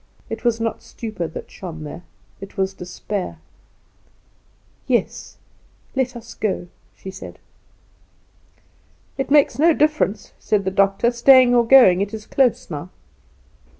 It was not stupor that shone there, it was despair. "Yes, let us go," she said. "It makes no difference," said the doctor; "staying or going; it is close now."